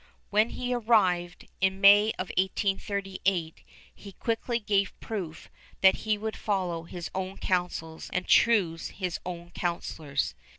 When he arrived, in May of 1838, he quickly gave proof that he would follow his own counsels and choose his own councilors.